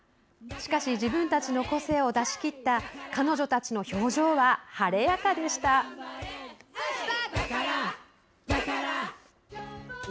しかし、自分たちの個性を出し切った彼女たちの表情は晴れやかでした。